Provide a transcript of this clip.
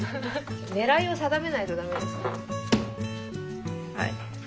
狙いを定めないとダメですよ。